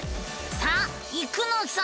さあ行くのさ！